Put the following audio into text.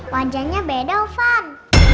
wajahnya beda ovan